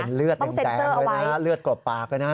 เป็นเลือดแดงเลือดกรบปากเลยนะ